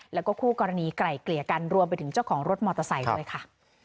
แล้วก็คู่กรณีไกลเกลี่ยกันรวมไปถึงเจ้าของรถมอเตอร์ไซค์ด้วยค่ะ